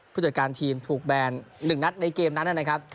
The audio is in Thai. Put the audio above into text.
ผู้จัดการทีมถูกแบน๑นัดในเกมนั้นนะครับ